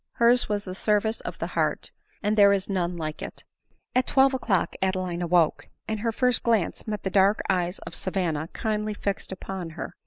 Her's was the service of the heart ; and there is none like it. At twelve o'clock Adeline awoke ; and her first glance met the dark eyes of Savanna kindly fixed upon her.